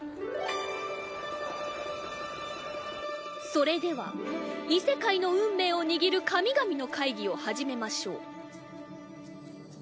それでは異世界の運命を握る神々の会議を始めましょう。